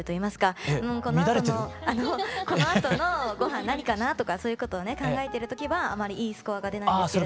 このあとのご飯何かなとかそういうことをね考えてる時はあまりいいスコアが出ないんですけれども。